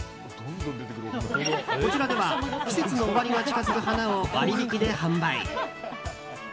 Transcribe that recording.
こちらでは、季節の終わりが近づく花を割引で販売。